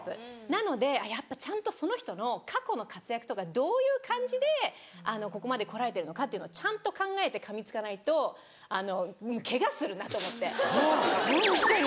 なのでやっぱちゃんとその人の過去の活躍とかどういう感じでここまでこられてるのかっていうのをちゃんと考えてかみつかないとケガするなと思ってホントに。